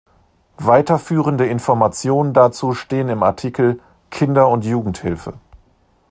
Weiterführende Informationen dazu stehen im Artikel: Kinder- und Jugendhilfe.